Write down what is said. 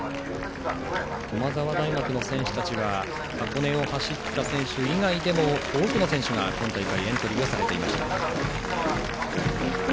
駒沢大学の選手たちは箱根を走った選手以外でも多くの選手が今大会エントリーされていました。